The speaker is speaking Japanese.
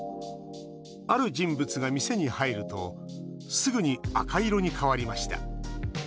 ある人物が店に入るとすぐに赤色に変わりました。